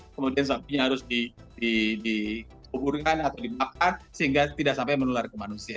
kemudian sapinya harus dikuburkan atau dimakan sehingga tidak sampai menular ke manusia